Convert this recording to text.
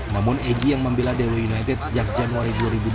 namun egy yang membela dewa united sejak januari dua ribu dua puluh